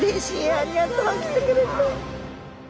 ありがとうきてくれて。